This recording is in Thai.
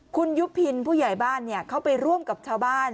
คุณยุพินผู้ใหญ่บ้านเขาไปร่วมกับชาวบ้าน